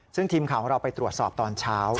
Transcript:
ซึ่งทีมข่าวของเราไปตรวจสอบตอนเช้า